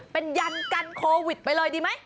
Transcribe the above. เป็นยันกันโควิดไปเลยดีไหม